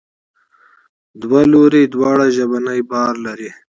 دوه لوري دواړه ژبنی بار لري.